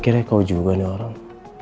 akhirnya kau juga nih orang